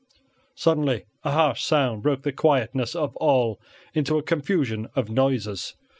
Suddenly a harsh sound broke the quietness of all into a confusion of noises.